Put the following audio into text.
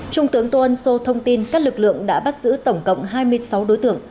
trung tướng tô ân sô thông tin các lực lượng đã bắt giữ tổng cộng hai mươi sáu đối tượng